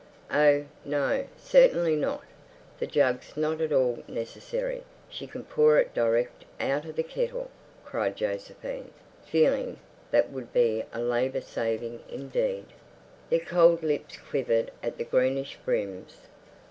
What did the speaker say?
"Oh no, certainly not! The jug's not at all necessary. She can pour it direct out of the kettle," cried Josephine, feeling that would be a labour saving indeed. Their cold lips quivered at the greenish brims.